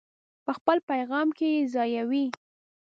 په خپل پیغام کې یې ځایوي.